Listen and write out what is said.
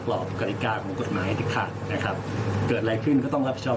กฎิกาของกฎหมายเด็ดขาดนะครับเกิดอะไรขึ้นก็ต้องรับผิดชอบ